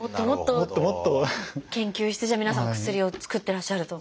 もっともっと研究してじゃあ皆さんもお薬を作ってらっしゃると。